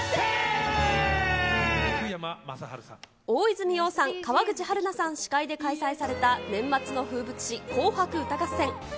大泉洋さん、川口春奈さん司会で開催された、年末の風物詩、紅白歌合戦。